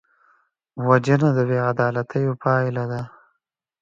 وژنه د بېعدالتیو پایله ده